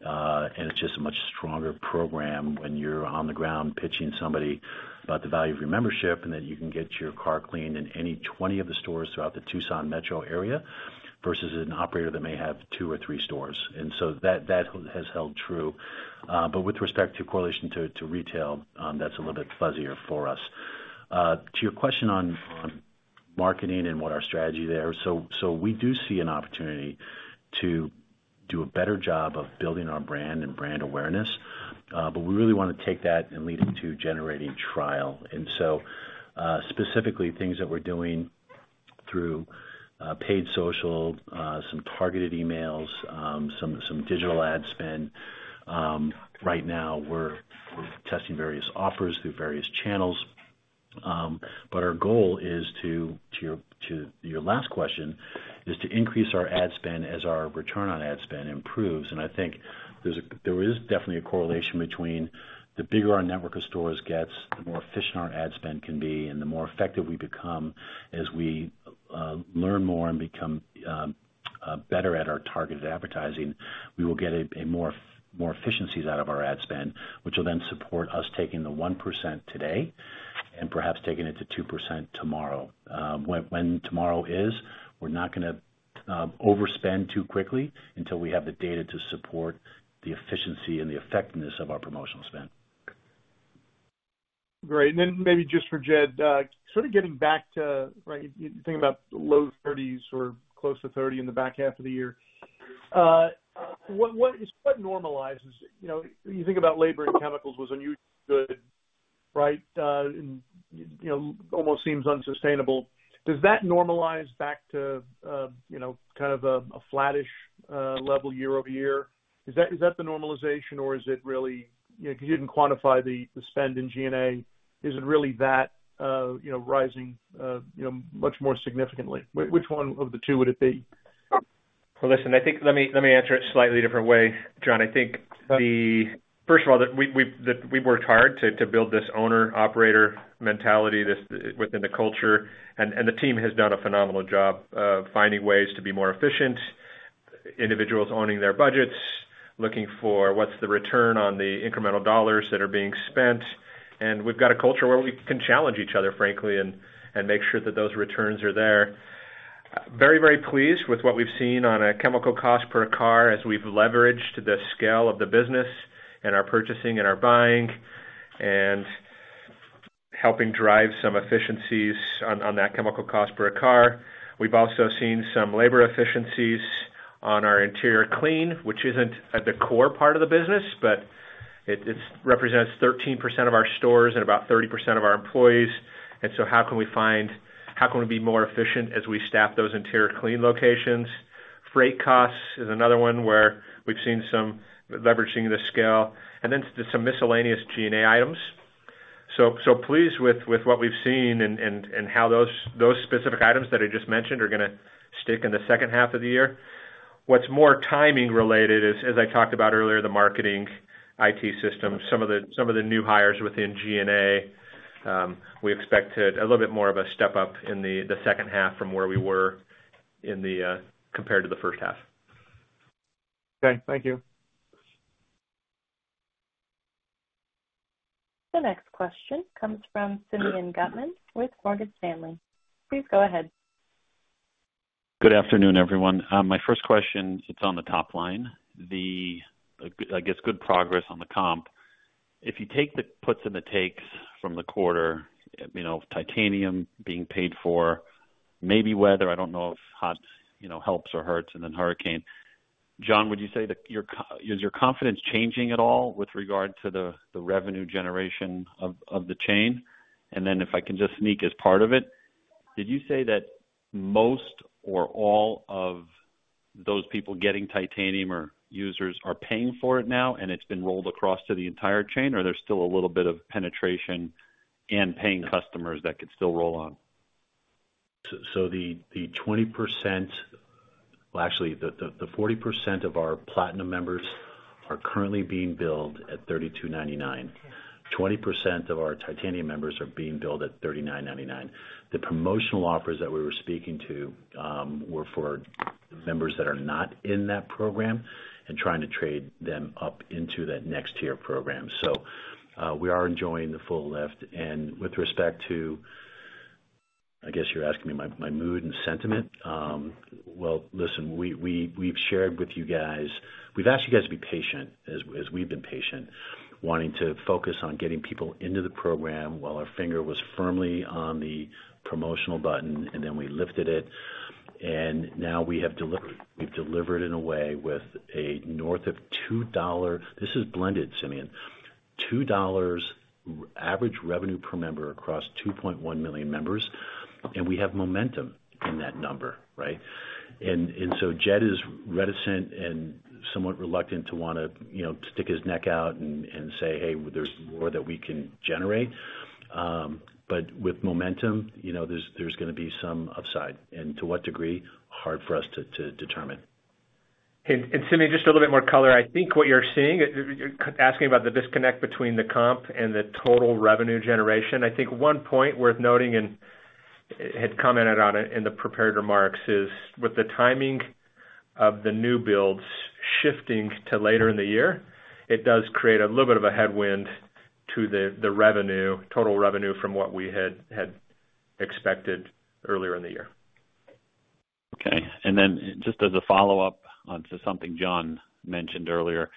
And it's just a much stronger program when you're on the ground pitching somebody about the value of your membership and that you can get your car cleaned in any 20 of the stores throughout the Tucson metro area versus an operator that may have two or three stores. And so that has held true. But with respect to correlation to retail, that's a little bit fuzzier for us. To your question on marketing and what our strategy there, so we do see an opportunity to do a better job of building our brand and brand awareness. But we really want to take that and lead it to generating trial. And so specifically, things that we're doing through paid social, some targeted emails, some digital ad spend. Right now, we're testing various offers through various channels. But our goal is to—to your last question—is to increase our ad spend as our return on ad spend improves. I think there is definitely a correlation between the bigger our network of stores gets, the more efficient our ad spend can be, and the more effective we become as we learn more and become better at our targeted advertising, we will get more efficiencies out of our ad spend, which will then support us taking the 1% today and perhaps taking it to 2% tomorrow. When tomorrow is, we're not going to overspend too quickly until we have the data to support the efficiency and the effectiveness of our promotional spend. Great. And then maybe just for Jed, sort of getting back to, right, you're thinking about low 30s or close to 30 in the back half of the year. What normalizes? You think about labor and chemicals was unusually good, right? And almost seems unsustainable. Does that normalize back to kind of a flattish level year-over-year? Is that the normalization, or is it really, because you didn't quantify the spend in G&A, is it really that rising much more significantly? Which one of the two would it be? Well, listen, I think let me answer it slightly a different way, John. I think, first of all, that we've worked hard to build this owner-operator mentality within the culture. And the team has done a phenomenal job of finding ways to be more efficient, individuals owning their budgets, looking for what's the return on the incremental dollars that are being spent. And we've got a culture where we can challenge each other, frankly, and make sure that those returns are there. Very, very pleased with what we've seen on a chemical cost per car as we've leveraged the scale of the business and our purchasing and our buying and helping drive some efficiencies on that chemical cost per car. We've also seen some labor efficiencies on our interior clean, which isn't the core part of the business, but it represents 13% of our stores and about 30% of our employees. And so how can we be more efficient as we staff those interior clean locations? Freight costs is another one where we've seen some leveraging the scale. And then some miscellaneous G&A items. So pleased with what we've seen and how those specific items that I just mentioned are going to stick in the second half of the year. What's more timing-related is, as I talked about earlier, the marketing, IT systems, some of the new hires within G&A. We expect a little bit more of a step up in the second half from where we were compared to the first half. Okay. Thank you. The next question comes from Simeon Gutman with Morgan Stanley. Please go ahead. Good afternoon, everyone. My first question, it's on the top line. I guess good progress on the comp. If you take the puts and the takes from the quarter, titanium being paid for, maybe weather, I don't know if hot helps or hurts, and then hurricane. John, would you say that is your confidence changing at all with regard to the revenue generation of the chain? And then if I can just sneak as part of it, did you say that most or all of those people getting titanium or users are paying for it now and it's been rolled across to the entire chain, or there's still a little bit of penetration and paying customers that could still roll on? So the 20%, well, actually, the 40% of our Platinum members are currently being billed at $32.99. 20% of our Titanium members are being billed at $39.99. The promotional offers that we were speaking to were for members that are not in that program and trying to trade them up into that next-tier program. So we are enjoying the full lift. And with respect to, I guess you're asking me my mood and sentiment, well, listen, we've shared with you guys we've asked you guys to be patient, as we've been patient, wanting to focus on getting people into the program while our finger was firmly on the promotional button, and then we lifted it. And now we have delivered in a way with north of $2—this is blended, Simeon—$2 average revenue per member across 2.1 million members. And we have momentum in that number, right? And so Jed is reticent and somewhat reluctant to want to stick his neck out and say, "Hey, there's more that we can generate." But with momentum, there's going to be some upside. And to what degree? Hard for us to determine. And, Simeon, just a little bit more color. I think what you're seeing, asking about the disconnect between the comp and the total revenue generation, I think one point worth noting and had commented on it in the prepared remarks is with the timing of the new builds shifting to later in the year, it does create a little bit of a headwind to the total revenue from what we had expected earlier in the year. Okay. And then just as a follow-up onto something John mentioned earlier,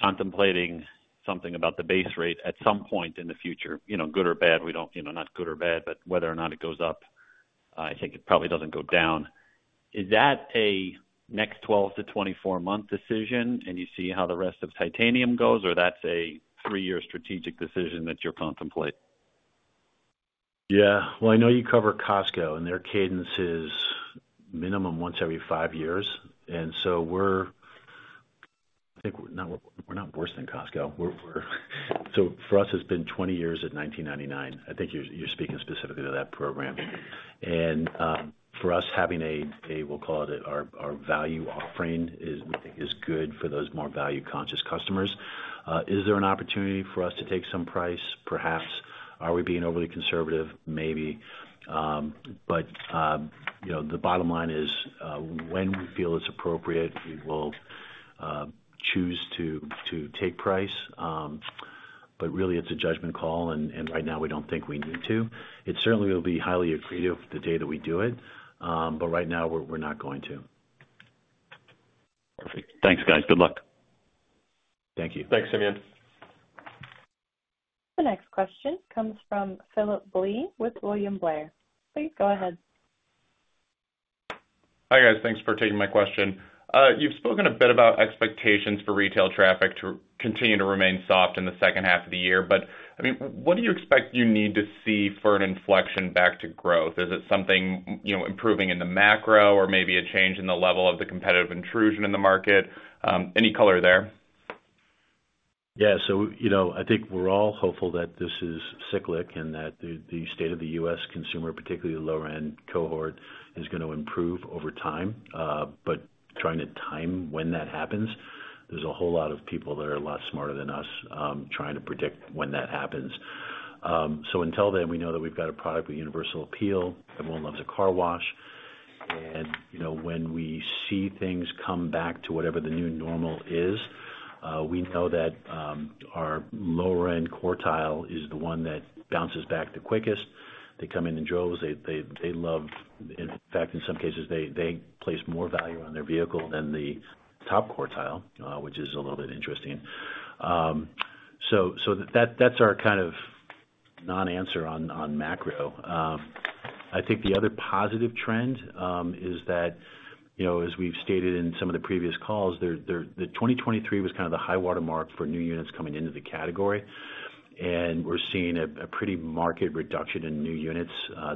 contemplating something about the base rate at some point in the future, good or bad, we don't—not good or bad, but whether or not it goes up. I think it probably doesn't go down. Is that a next 12-24-month decision, and you see how the rest of Titanium goes, or that's a three-year strategic decision that you're contemplating? Yeah. Well, I know you cover Costco, and their cadence is minimum once every five years. And so we're—I think we're not worse than Costco. So for us, it's been 20 years at $19.99. I think you're speaking specifically to that program. And for us, having a—we'll call it our value offering is good for those more value-conscious customers. Is there an opportunity for us to take some price? Perhaps. Are we being overly conservative? Maybe. But the bottom line is when we feel it's appropriate, we will choose to take price. But really, it's a judgment call. And right now, we don't think we need to. It certainly will be highly accretive the day that we do it. But right now, we're not going to. Perfect. Thanks, guys. Good luck. Thank you. Thanks, Simeon. The next question comes from Phillip Blee with William Blair. Please go ahead. Hi, guys. Thanks for taking my question. You've spoken a bit about expectations for retail traffic to continue to remain soft in the second half of the year. But I mean, what do you expect you need to see for an inflection back to growth? Is it something improving in the macro or maybe a change in the level of the competitive intrusion in the market? Any color there? Yeah. So I think we're all hopeful that this is cyclic and that the state of the U.S. consumer, particularly the lower-end cohort, is going to improve over time. But trying to time when that happens, there's a whole lot of people that are a lot smarter than us trying to predict when that happens. So until then, we know that we've got a product with universal appeal. Everyone loves a car wash. And when we see things come back to whatever the new normal is, we know that our lower-end quartile is the one that bounces back the quickest. They come in in droves. They love, in fact, in some cases, they place more value on their vehicle than the top quartile, which is a little bit interesting. So that's our kind of non-answer on macro. I think the other positive trend is that, as we've stated in some of the previous calls, 2023 was kind of the high-water mark for new units coming into the category. We're seeing a pretty marked reduction in new units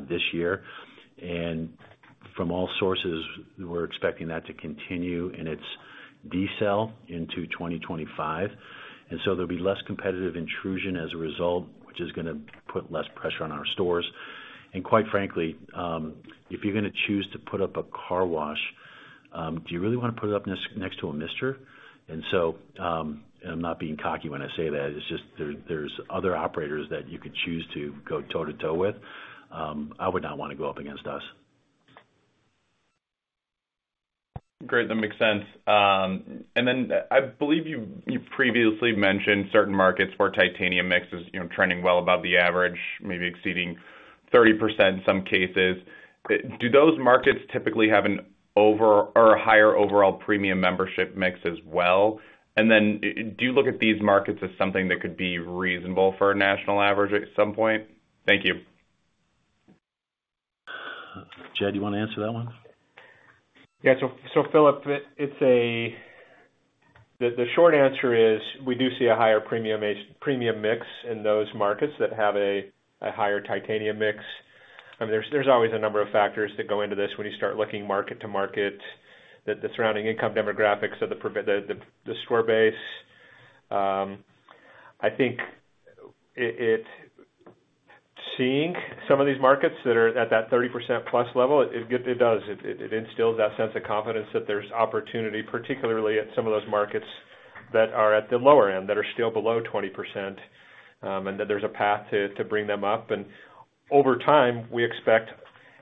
this year. And from all sources, we're expecting that to continue in its decel into 2025. So there'll be less competitive intrusion as a result, which is going to put less pressure on our stores. And quite frankly, if you're going to choose to put up a car wash, do you really want to put it up next to a Mister? So I'm not being cocky when I say that. It's just there's other operators that you could choose to go toe-to-toe with. I would not want to go up against us. Great. That makes sense. And then I believe you previously mentioned certain markets where titanium mix is trending well above the average, maybe exceeding 30% in some cases. Do those markets typically have an over or a higher overall premium membership mix as well? And then do you look at these markets as something that could be reasonable for a national average at some point? Thank you. Jed, do you want to answer that one? Yeah. So Phillip, the short answer is we do see a higher premium mix in those markets that have a higher Titanium mix. I mean, there's always a number of factors that go into this when you start looking market to market, the surrounding income demographics of the store base. I think seeing some of these markets that are at that 30%+ level, it does. It instills that sense of confidence that there's opportunity, particularly at some of those markets that are at the lower end, that are still below 20%, and that there's a path to bring them up. And over time, we expect,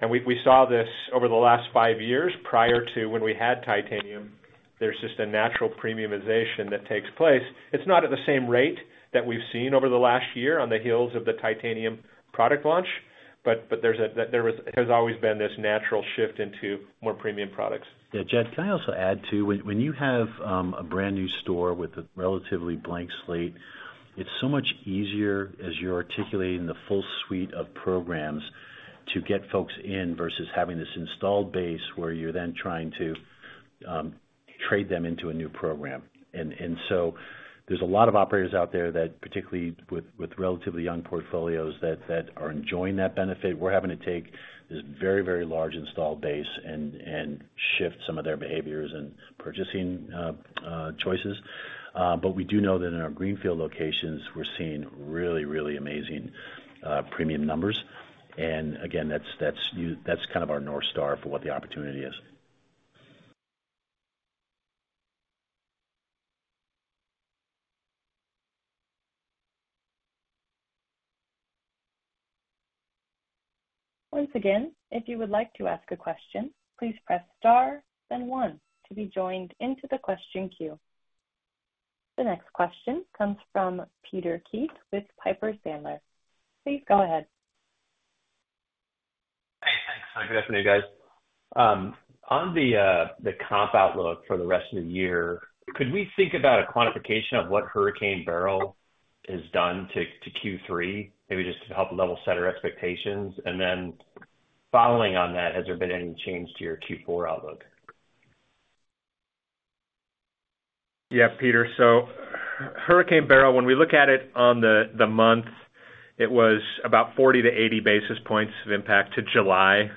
and we saw this over the last 5 years prior to when we had Titanium. There's just a natural premiumization that takes place. It's not at the same rate that we've seen over the last year on the heels of the Titanium product launch, but there has always been this natural shift into more premium products. Yeah. Jed, can I also add too? When you have a brand new store with a relatively blank slate, it's so much easier, as you're articulating the full suite of programs, to get folks in versus having this installed base where you're then trying to trade them into a new program. And so there's a lot of operators out there that, particularly with relatively young portfolios that are enjoying that benefit. We're having to take this very, very large installed base and shift some of their behaviors and purchasing choices. But we do know that in our Greenfield locations, we're seeing really, really amazing premium numbers. And again, that's kind of our North Star for what the opportunity is. Once again, if you would like to ask a question, please press star, then one to be joined into the question queue. The next question comes from Peter Keith with Piper Sandler. Please go ahead. Hey, thanks. Good afternoon, guys. On the comp outlook for the rest of the year, could we think about a quantification of what Hurricane Beryl has done to Q3, maybe just to help level set our expectations? And then following on that, has there been any change to your Q4 outlook? Yeah, Peter. So Hurricane Beryl, when we look at it on the month, it was about 40-80 basis points of impact to July.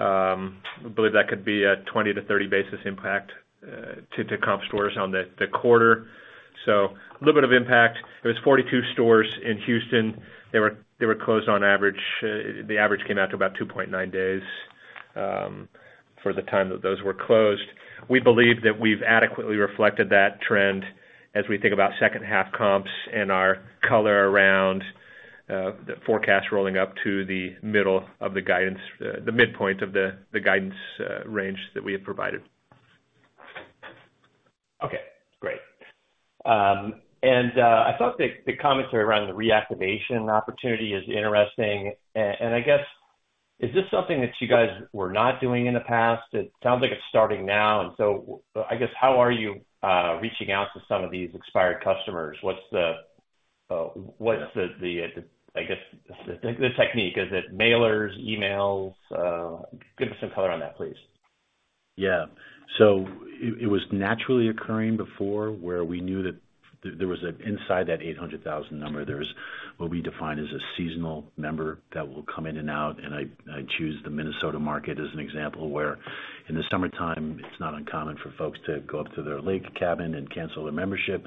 We believe that could be a 20-30 basis impact to comp stores on the quarter. So a little bit of impact. It was 42 stores in Houston. They were closed on average. The average came out to about 2.9 days for the time that those were closed. We believe that we've adequately reflected that trend as we think about second-half comps and our color around the forecast rolling up to the middle of the guidance, the midpoint of the guidance range that we have provided. Okay. Great. And I thought the commentary around the reactivation opportunity is interesting. And I guess, is this something that you guys were not doing in the past? It sounds like it's starting now. And so I guess, how are you reaching out to some of these expired customers? What's the, I guess, the technique? Is it mailers, emails? Give us some color on that, please. Yeah. So it was naturally occurring before where we knew that there was an inside that 800,000 number. There's what we define as a seasonal member that will come in and out. And I choose the Minnesota market as an example where in the summertime, it's not uncommon for folks to go up to their lake cabin and cancel their membership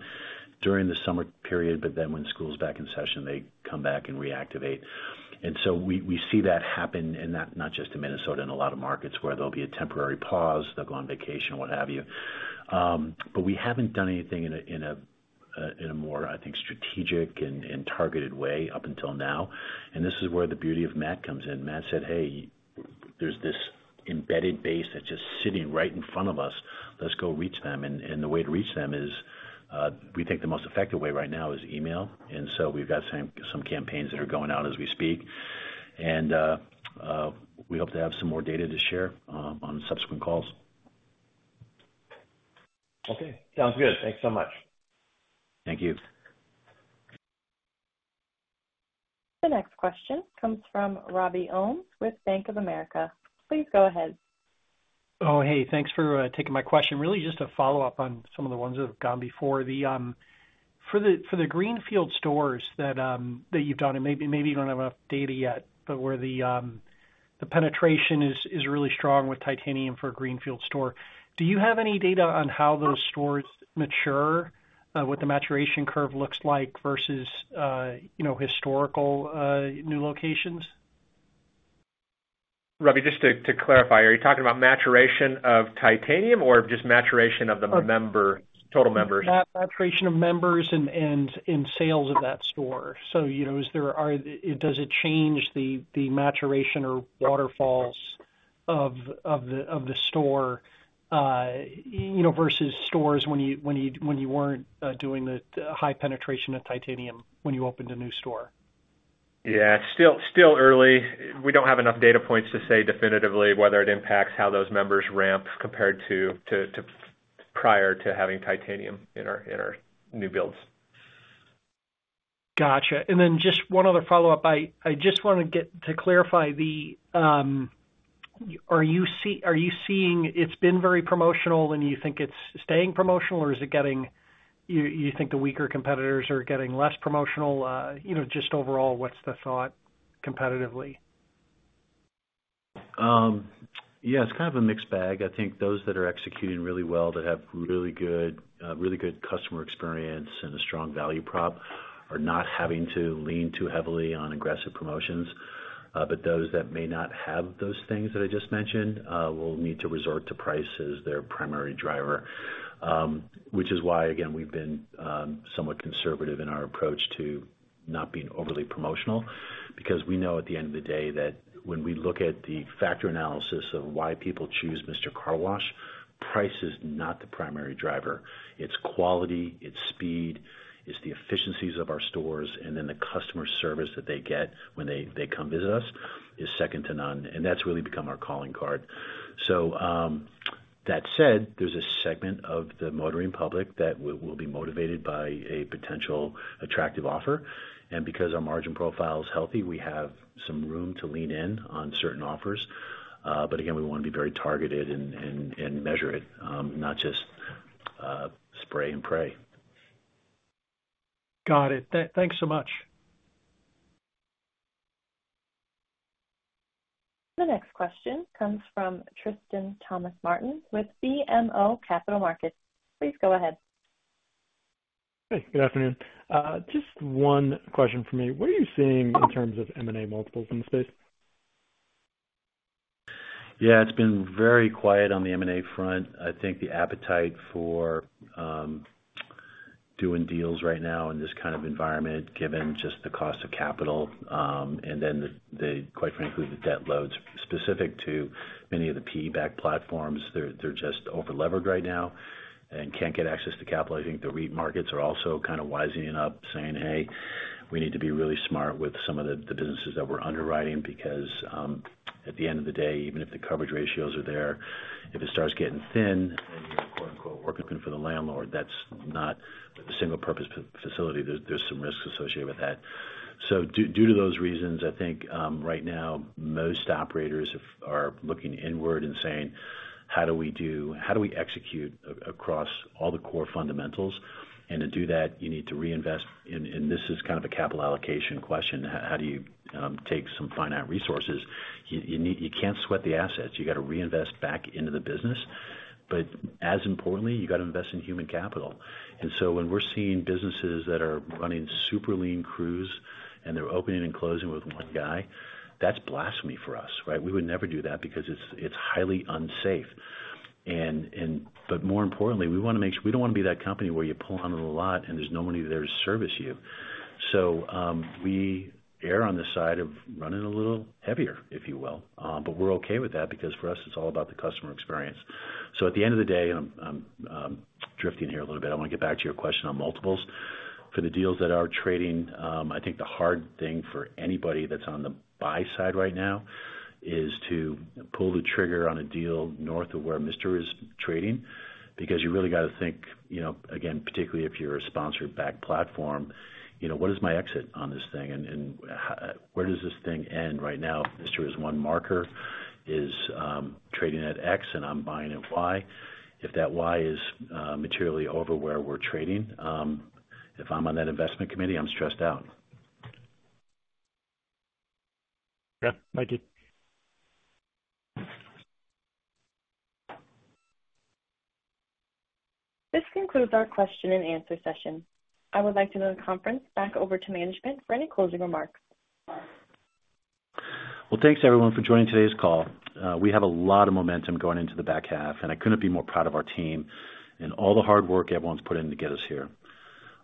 during the summer period. But then when school's back in session, they come back and reactivate. And so we see that happen in not just Minnesota, in a lot of markets where there'll be a temporary pause. They'll go on vacation, what have you. But we haven't done anything in a more, I think, strategic and targeted way up until now. And this is where the beauty of Matt comes in. Matt said, "Hey, there's this embedded base that's just sitting right in front of us. Let's go reach them." The way to reach them is we think the most effective way right now is email. So we've got some campaigns that are going out as we speak. We hope to have some more data to share on subsequent calls. Okay. Sounds good. Thanks so much. Thank you. The next question comes from Robbie Ohmes with Bank of America. Please go ahead. Oh, hey. Thanks for taking my question. Really just a follow-up on some of the ones that have gone before. For the Greenfield stores that you've done, and maybe you don't have enough data yet, but where the penetration is really strong with Titanium for a Greenfield store, do you have any data on how those stores mature, what the maturation curve looks like versus historical new locations? Robbie, just to clarify, are you talking about maturation of Titanium or just maturation of the total members? Maturation of members and sales of that store. So does it change the maturation or waterfalls of the store versus stores when you weren't doing the high penetration of Titanium when you opened a new store? Yeah. Still early. We don't have enough data points to say definitively whether it impacts how those members ramp compared to prior to having Titanium in our new builds. Gotcha. And then just one other follow-up. I just want to get to clarify. Are you seeing it's been very promotional, and you think it's staying promotional, or is it getting, do you think the weaker competitors are getting less promotional? Just overall, what's the thought competitively? Yeah. It's kind of a mixed bag. I think those that are executing really well, that have really good customer experience and a strong value prop, are not having to lean too heavily on aggressive promotions. But those that may not have those things that I just mentioned will need to resort to price as their primary driver, which is why, again, we've been somewhat conservative in our approach to not being overly promotional because we know at the end of the day that when we look at the factor analysis of why people choose Mister Car Wash, price is not the primary driver. It's quality. It's speed. It's the efficiencies of our stores. And then the customer service that they get when they come visit us is second to none. And that's really become our calling card. So that said, there's a segment of the motoring public that will be motivated by a potential attractive offer. And because our margin profile is healthy, we have some room to lean in on certain offers. But again, we want to be very targeted and measure it, not just spray and pray. Got it. Thanks so much. The next question comes from Tristan Thomas-Martin with BMO Capital Markets. Please go ahead. Hey. Good afternoon. Just one question for me. What are you seeing in terms of M&A multiples in the space? Yeah. It's been very quiet on the M&A front. I think the appetite for doing deals right now in this kind of environment, given just the cost of capital and then, quite frankly, the debt loads specific to many of the PE-backed platforms, they're just over-levered right now and can't get access to capital. I think the REIT markets are also kind of wising up, saying, "Hey, we need to be really smart with some of the businesses that we're underwriting because at the end of the day, even if the coverage ratios are there, if it starts getting thin and you're 'working for the landlord,' that's not a single-purpose facility. There's some risks associated with that." So due to those reasons, I think right now, most operators are looking inward and saying, "How do we execute across all the core fundamentals?" And to do that, you need to reinvest. This is kind of a capital allocation question. How do you take some finite resources? You can't sweat the assets. You got to reinvest back into the business. But as importantly, you got to invest in human capital. And so when we're seeing businesses that are running super lean crews and they're opening and closing with one guy, that's blasphemy for us, right? We would never do that because it's highly unsafe. But more importantly, we want to make sure we don't want to be that company where you pull on a lot and there's nobody there to service you. So we err on the side of running a little heavier, if you will. But we're okay with that because for us, it's all about the customer experience. So at the end of the day, and I'm drifting here a little bit, I want to get back to your question on multiples. For the deals that are trading, I think the hard thing for anybody that's on the buy side right now is to pull the trigger on a deal north of where Mr. is trading because you really got to think, again, particularly if you're a sponsor-backed platform, "What is my exit on this thing? And where does this thing end right now?" Mr. is one marker is trading at X, and I'm buying at Y. If that Y is materially over where we're trading, if I'm on that investment committee, I'm stressed out. Okay. Thank you. This concludes our question-and-answer session. I would like to turn the conference back over to management for any closing remarks. Well, thanks, everyone, for joining today's call. We have a lot of momentum going into the back half, and I couldn't be more proud of our team and all the hard work everyone's put in to get us here.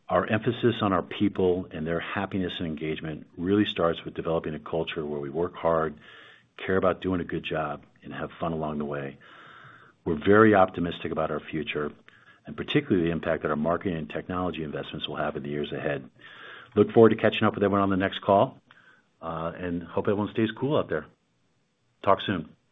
Our emphasis on our people and their happiness and engagement really starts with developing a culture where we work hard, care about doing a good job, and have fun along the way. We're very optimistic about our future and particularly the impact that our marketing and technology investments will have in the years ahead. Look forward to catching up with everyone on the next call and hope everyone stays cool out there. Talk soon.